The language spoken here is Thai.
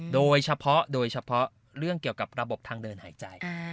โดยเฉพาะเรื่องเกี่ยวกับระบบทางเดินหายใจ